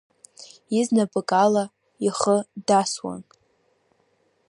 Изнапык ала ихы, дасуан.